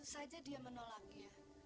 tentu saja dia menolaknya